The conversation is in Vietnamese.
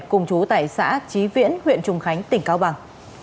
cùng chú tại xã trí viễn huyện trùng khánh tỉnh cao bằng